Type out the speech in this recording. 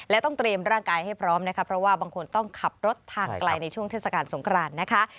และต้องเตรียมร่างกายให้พร้อมนะคะเพราะว่าบางคนต้องขับรถทางไกลในช่วงเทศกาลสงครานนะคะ